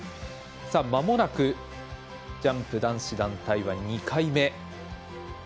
まもなくジャンプ男子団体は２回目。